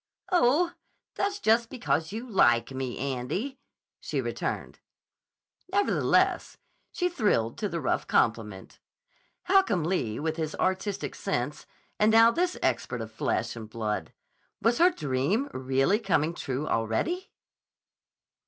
"Oh, that's just because you like me, Andy," she returned. Nevertheless she thrilled to the rough compliment. Holcomb Lee, with his artistic sense, and now this expert of flesh and blood! Was her dream really coming true already?